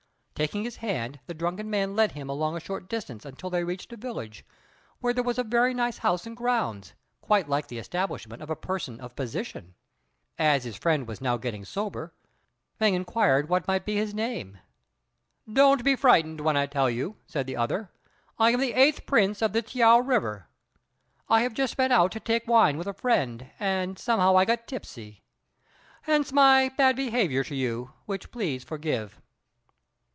Taking his hand, the drunken man led him along a short distance until they reached a village, where there was a very nice house and grounds, quite like the establishment of a person of position. As his friend was now getting sober, Fêng inquired what might be his name. "Don't be frightened when I tell you," said the other; "I am the Eighth Prince of the T'iao river. I have just been out to take wine with a friend, and somehow I got tipsy; hence my bad behaviour to you, which please forgive."